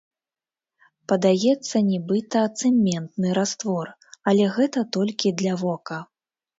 Падаецца нібыта цэментны раствор, але гэта толькі для вока.